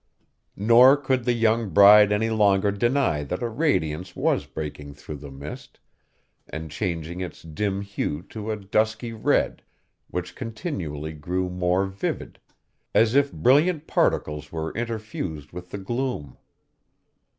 Nor could the young bride any longer deny that a radiance was breaking through the mist, and changing its dim hue to a dusky red, which continually grew more vivid, as if brilliant particles were interfused with the gloom.